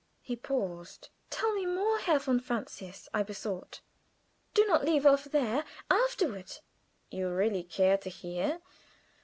He paused. "Tell me more, Herr von Francius," I besought. "Do not leave off there. Afterward?" "You really care to hear?